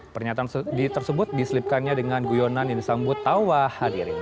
pernyataan tersebut diselipkannya dengan guyonan yang disambut tawa hadirin